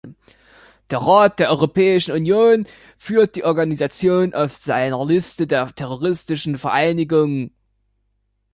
Der Rat der Europäischen Union führt die Organisation auf seiner Liste der terroristischen Vereinigungen.